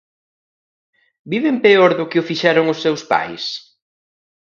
Viven peor do que o fixeron os seus pais?